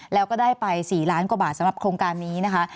แล้วก็ได้ไป๔ล้านกว่าบาทสำหรับโครงการนี้นะคะ